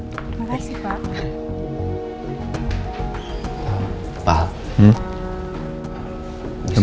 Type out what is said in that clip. terima kasih pak